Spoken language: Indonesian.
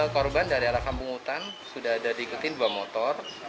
korban dari alasan bungutan sudah ada diikuti dua motor